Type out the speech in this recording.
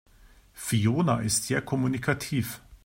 Fiona ist sehr kommunikativ.